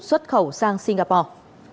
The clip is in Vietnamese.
xuất khẩu sang singapore